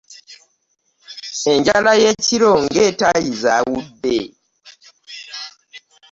Enjala y'ekiro nga etayiza awudde .